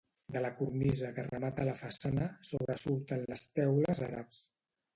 De la cornisa que remata la façana sobresurten les teules àrabs.